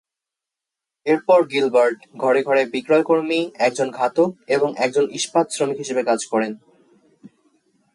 এরপর গিলবার্ট ঘরে ঘরে বিক্রয়কর্মী, একজন ঘাতক এবং একজন ইস্পাত শ্রমিক হিসেবে কাজ করেন।